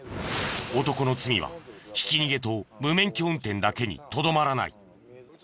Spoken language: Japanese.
男の罪はひき逃げと無免許運転だけにとどまらない。